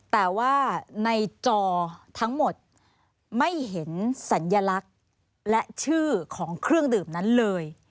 แต่ว่าในจอทั้งหมดไม่เห็นสัญลักษณ์และชื่อของเครื่องดื่มนั้นเลย